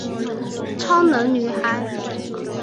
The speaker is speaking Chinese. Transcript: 超能女孩。